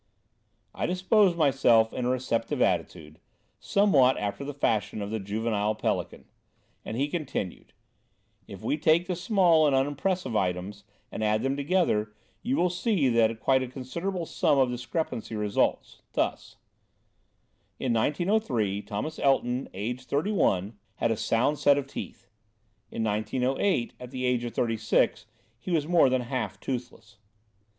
I disposed myself in a receptive attitude (somewhat after the fashion of the juvenile pelican) and he continued: "If we take the small and unimpressive items and add them together, you will see that a quite considerable sum of discrepancy results, thus: "In 1903, Thomas Elton, aged thirty one, had a set of sound teeth. In 1908, at the age of thirty six, he was more than half toothless.